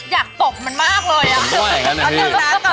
อยากตกมันมากเลยอะ